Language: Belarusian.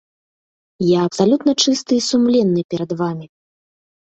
Я абсалютна чысты і сумленны перад вамі.